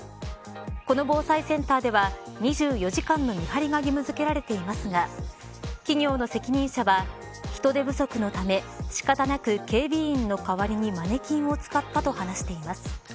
この防災センターでは２４時間の見張りが義務付けられていますが企業の責任者は人手不足のため仕方なく警備員の代わりにマネキンを使ったと話しています。